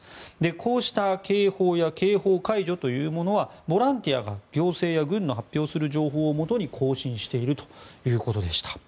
こうした警報や警報解除というものはボランティアが行政や軍の発表する情報をもとに更新しているということでした。